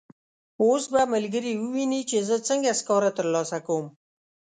اوس به ملګري وویني چې زه څنګه سکاره ترلاسه کوم.